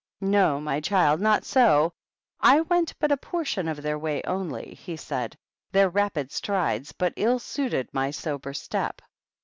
" No, my child, not so. I went but a portion of their way only," he said ;" their rapid strides but ill suited my sober step.